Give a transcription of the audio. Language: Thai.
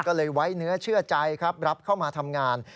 ก็เลยไว้เนื้อเชื่อใจครับรับเข้ามาทำงาน